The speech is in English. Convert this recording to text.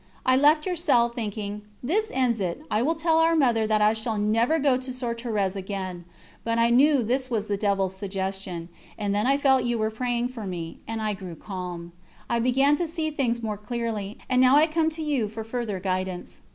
I left your cell thinking: 'This ends it. I will tell Our Mother that I shall never go to Soeur Thérèse again'; but I knew this was the devil's suggestion, and then I felt you were praying for me, and I grew calm. I began to see things more clearly, and now I come to you for further guidance."